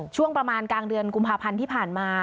ช่วงประมาณกลางเดือนกุมภาพันธ์ที่ผ่านมา